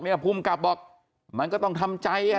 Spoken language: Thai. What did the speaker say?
ภูมิกับบอกมันก็ต้องทำใจอ่ะ